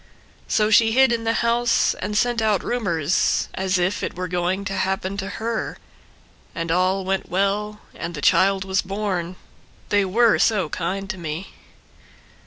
So she hid in the house and sent out rumors, As if it were going to happen to her. And all went well and the child was born— They were so kind to me.